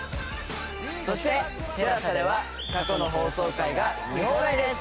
そしてＴＥＬＡＳＡでは過去の放送回が見放題です。